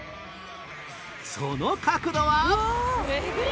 その角度は